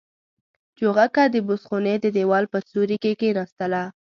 چوغکه د بوس خونې د دېوال په سوري کې کېناستله.